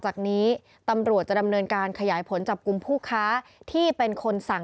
จากนั้นก็จะนำมาพักไว้ที่ห้องพลาสติกไปวางเอาไว้ตามจุดนัดต่าง